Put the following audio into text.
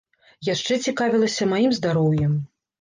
Яшчэ цікавілася маім здароўем.